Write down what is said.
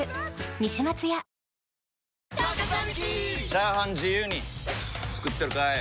チャーハン自由に作ってるかい！？